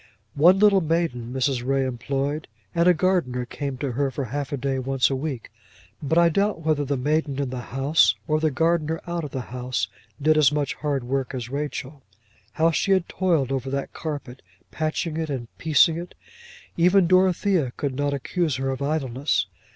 One little maiden Mrs. Ray employed, and a gardener came to her for half a day once a week; but I doubt whether the maiden in the house, or the gardener out of the house, did as much hard work as Rachel. How she had toiled over that carpet, patching it and piecing it! Even Dorothea could not accuse her of idleness.